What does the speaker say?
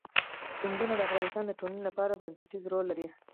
سیندونه د افغانستان د ټولنې لپاره بنسټيز رول لري.